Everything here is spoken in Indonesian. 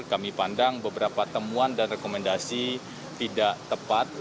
kami pandang beberapa temuan dan rekomendasi tidak tepat